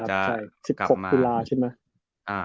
ใช่ครับ๑๖ปีเวลาใช่ไหม